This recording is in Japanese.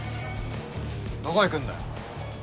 どこ行くんだよ。